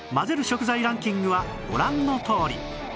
食材ランキングはご覧のとおり